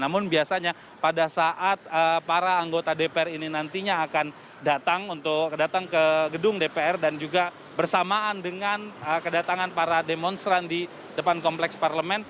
namun biasanya pada saat para anggota dpr ini nantinya akan datang untuk datang ke gedung dpr dan juga bersamaan dengan kedatangan para demonstran di depan kompleks parlemen